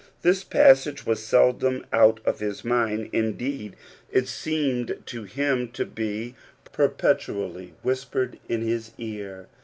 This passage was seldom ^ of his mind ; indeed, it seemed to him to be ^^ petually whispered in his ear.